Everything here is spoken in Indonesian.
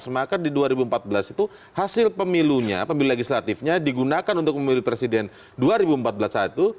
maka di dua ribu empat belas itu hasil pemilunya pemilu legislatifnya digunakan untuk memilih presiden dua ribu empat belas saat itu